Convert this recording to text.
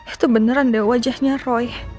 itu beneran deh wajahnya roy